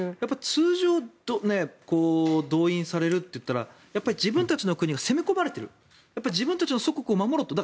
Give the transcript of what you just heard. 通常動員されるといったら自分たちの国が攻め込まれている自分たちの祖国を守ろうと。